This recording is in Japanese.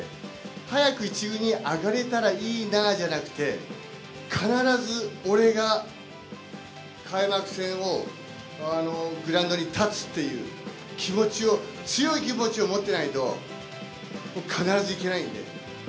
早く１軍に上がれたらいいなあじゃなくて、必ず俺が開幕戦のグラウンドに立つっていう気持ちを、強い気持ちを持ってないと、必ずいけないんで。